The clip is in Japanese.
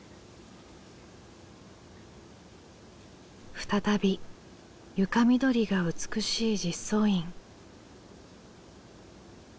再び床みどりが美しい実相院。